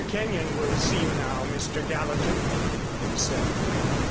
Kenyon will see you now, Mr. Gallatin," he said.